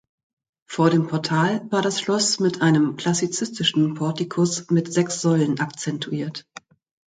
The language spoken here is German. Vor dem Portal war das Schloss mit einem klassizistischen Portikus mit sechs Säulen akzentuiert.